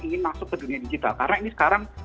ingin masuk ke dunia digital karena ini sekarang